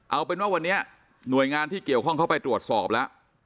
เอาเป็นว่าวันนี้หน่วยงานที่เกี่ยวข้องเข้าไปตรวจสอบแล้ว